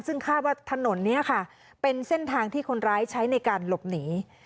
ซึ่งคาดว่าถนนนี้ค่ะเป็นเส้นทางที่คนร้ายใช้ในการหลบหนี